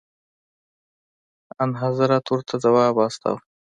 انحضرت ورته ځواب واستوه.